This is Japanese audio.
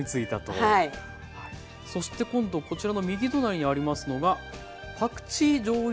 そして今度こちらの右隣にありますのがパクチーじょうゆだれです。